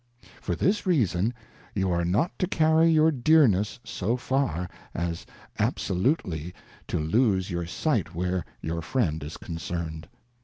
For this reason you are not to carry your dearness so far, as absolutely to lose your Sight where your Friend is concerned.